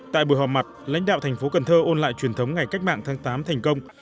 tại buổi họp mặt lãnh đạo thành phố cần thơ ôn lại truyền thống ngày cách mạng tháng tám thành công